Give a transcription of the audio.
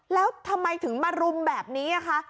แล้วทำไมถึงมารุมแบบนี้คะ